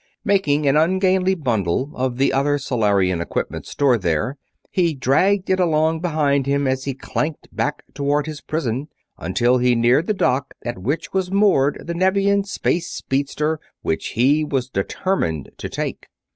Making an ungainly bundle of the other Solarian equipment stored there, he dragged it along behind him as he clanked back toward his prison, until he neared the dock at which was moored the Nevian space speedster which he was determined to take.